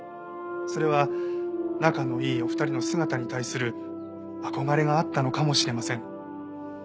それは仲のいいお二人の姿に対する憧れがあったのかもしれません。